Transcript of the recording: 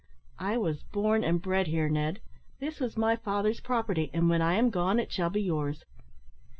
I was born and bred here, Ned; this was my father's property, and, when I am gone, it shall be yours.